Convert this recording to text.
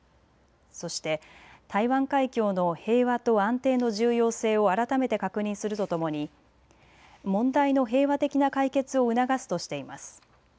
そして台湾海峡の平和と安定の重要性を改めて確認するとともに問題の平和的な解決を促すとしています。